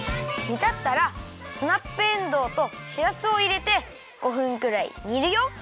煮たったらスナップエンドウとしらすをいれて５分くらい煮るよ。